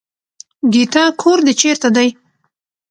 ګيتا کور دې چېرته دی.